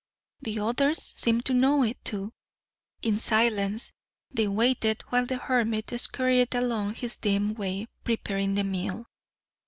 The others seemed to know it, too. In silence they waited while the hermit scurried along his dim way preparing the meal.